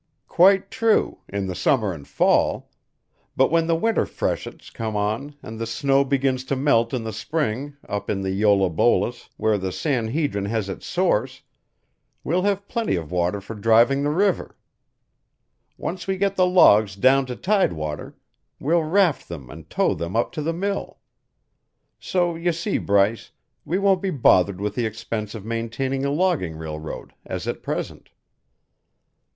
"Quite true in the summer and fall. But when the winter freshets come on and the snow begins to melt in the spring up in the Yola Bolas, where the San Hedrin has its source, we'll have plenty of water for driving the river. Once we get the logs down to tide water, we'll raft them and tow them up to the mill. So you see, Bryce, we won't be bothered with the expense of maintaining a logging railroad, as at present."